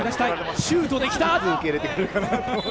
シュートで、きた！